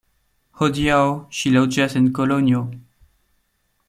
Hodiaŭ ŝi loĝas en Kolonjo.